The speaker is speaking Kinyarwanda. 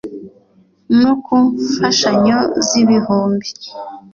no ku mfashanyo z ibihumbi